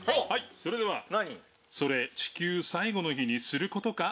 それでは「それ地球最後の日にする事か？」